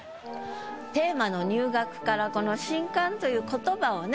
テーマの「入学」からこの「新歓」という言葉をね